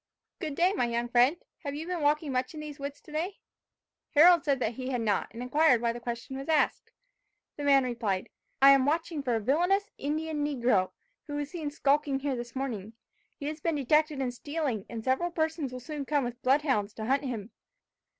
"Good day, my young friend. Have you been walking much in these woods today?" Harold said that he had not, and inquired why the question was asked. The man replied, "I am watching for a villainous Indian negro, who was seen skulking here this morning. He has been detected in stealing, and several persons will soon come with blood hounds to hunt him.